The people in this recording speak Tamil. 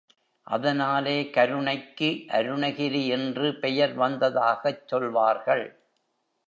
அதனாலே கருணைக்கு அருணகிரி என்று பெயர் வந்ததாகச் சொல்வார்கள்.